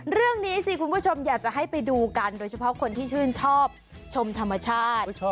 เรื่องนี้สิคุณผู้ชมอยากจะให้ไปดูกันโดยเฉพาะคนที่ชื่นชอบชมธรรมชาติ